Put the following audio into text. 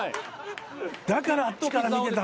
だからあっちから逃げたんだ。